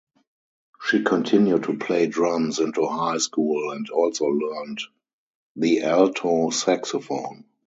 She continued to play drums into high school and also learned the alto saxophone.